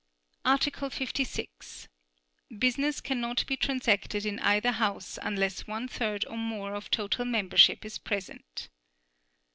Article 56. Business cannot be transacted in either House unless one third or more of total membership is present.